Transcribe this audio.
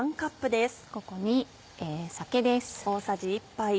ここに酒です。